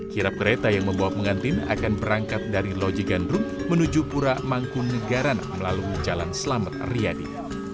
kirap kereta yang membawa pengantin akan berangkat dari loji gandrung menuju pura mangkunegaran melalui jalan selamat riyadi